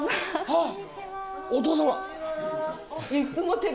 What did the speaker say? あっお父様！